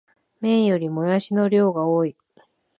麺よりもやしの量が多い